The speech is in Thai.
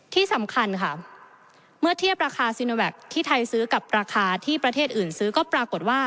ที่สำคัญค่ะเมื่อเทียบราคาซีโนแวคที่ไทยซื้อกับราคาที่ประเทศอื่นซื้อก็ปรากฏว่า